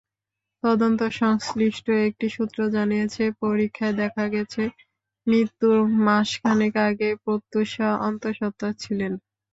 তদন্ত-সংশ্লিষ্ট একটি সূত্র জানিয়েছে, পরীক্ষায় দেখা গেছে, মৃত্যুর মাসখানেক আগে প্রত্যুষা অন্তঃসত্ত্বা ছিলেন।